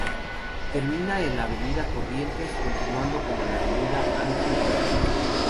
Termina en la Avenida Corrientes, continuando como la Avenida Ángel Gallardo.